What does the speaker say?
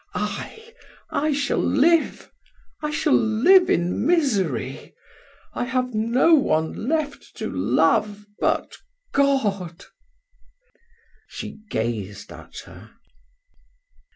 I I shall live! I shall live in misery. I have no one left to love but God!" She gazed at her.